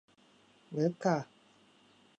เวฟค่ะ